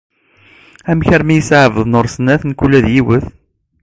Amek armi yesɛa Ɛebdennur snat, nekk ula d yiwet?